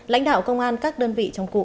lãnh đạo công an các đơn vị trong cụm